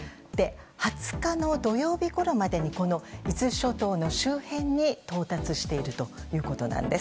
２０日の土曜日ごろまでに、この伊豆諸島の周辺に到達しているということなんです。